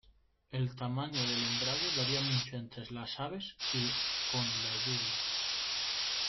El tamaño del embrague varía mucho entre las aves y con la lluvia.